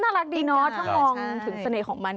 น่ารักดีเนาะถ้ามองถึงเสน่ห์ของมัน